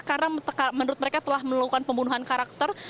karena menurut mereka telah melakukan pembunuhan karakter